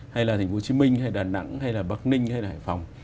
hay là thành phố hồ chí minh hay đà nẵng hay là bắc ninh hay hải phòng